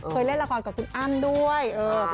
เคยเล่นละครกับคุณอ้ำด้วย